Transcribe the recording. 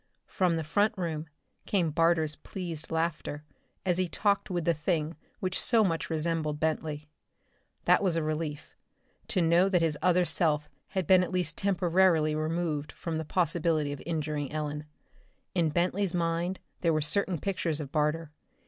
From the front room came Barter's pleased laughter as he talked with the thing which so much resembled Bentley. That was a relief to know that his other self had been at least temporarily removed from any possibility of injuring Ellen. In Bentley's mind were certain pictures of Barter.